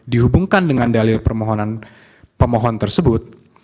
dihubungkan dengan dalil pemohonan tersebut